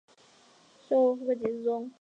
授户科给事中。